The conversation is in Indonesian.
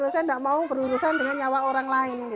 saya tidak mau berurusan dengan nyawa orang lain